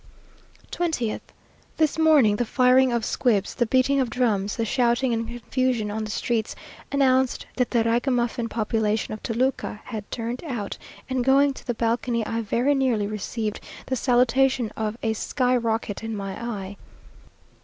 20th. This morning, the firing of squibs, the beating of drums, the shouting and confusion on the streets, announced that the ragamuffin population of Toluca had turned out; and going to the balcony, I very nearly received the salutation of "A sky Rocket in my eye."